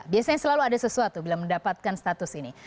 biasanya selalu ada sesuatu bila mendapatkan status ini